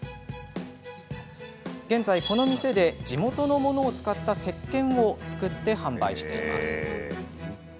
現在、この店で地元のものを使ったせっけんを作って販売しています。